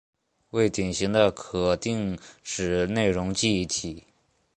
为典型的可定址内容记忆体。